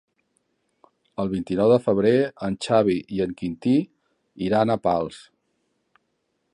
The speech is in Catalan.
El vint-i-nou de febrer en Xavi i en Quintí iran a Pals.